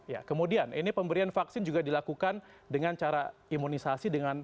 ya kemudian ini pemberian vaksin juga dilakukan dengan cara imunisasi dengan